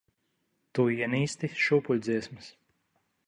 Tu ienīsti šūpuļdziesmas.